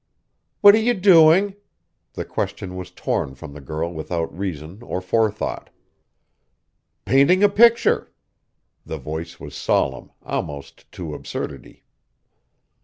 "What are you doing?" The question was torn from the girl without reason or forethought. "Painting a picture!" The voice was solemn, almost to absurdity.